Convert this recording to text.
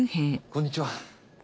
こんにちは。